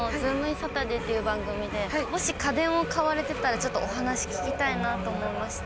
サタデーという番組で、もし家電を買われてたら、ちょっとお話聞きたいなと思いまして。